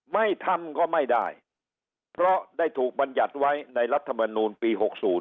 ไม่ทำก็ไม่ได้เพราะได้ถูกบรรยัติไว้ในรัฐมนูลปี๖๐